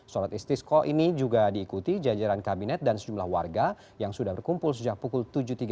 sholat istiskoh ini juga diikuti jajaran kabinet dan sejumlah warga yang sudah berkumpul sejak pukul tujuh tiga puluh